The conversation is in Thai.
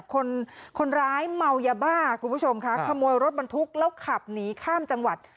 คนร้ายเมายาบ้าคุณผู้ชมค่ะขโมยรถบรรทุกแล้วขับหนีข้ามจังหวัด